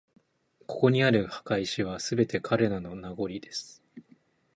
ここにある墓石は、すべて彼らの…名残です